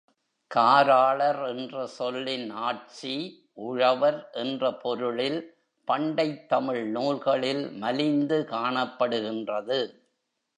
காராளர் என்ற சொல்லின் ஆட்சி உழவர் என்ற பொருளில் பண்டைத் தமிழ் நூல்களில் மலிந்து காணப்படுகின்றது.